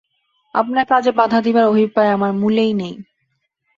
আপনার কাজে বাধা দিবার অভিপ্রায় আমার মূলেই নাই।